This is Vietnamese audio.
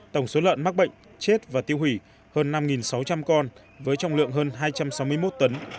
tổng số lợn mắc bệnh chết và tiêu hủy hơn năm sáu trăm linh con với trọng lượng hơn hai trăm sáu mươi một tấn